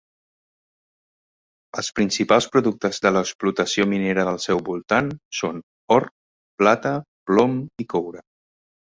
Els principals productes de l'explotació minera del seu voltant són or, plata, plom i coure.